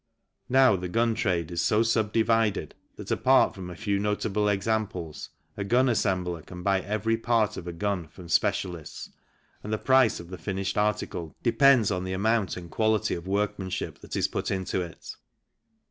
Now the gun trade is so sub divided that, apart from a few notable examples, a gun assembler can buy every part of a gun from specialists, and the price of the finished article depends 115 116 THE CYCLE INDUSTRY on the amount and quality of workmanship that is put into it.